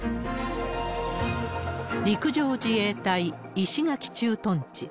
陸上自衛隊石垣駐屯地。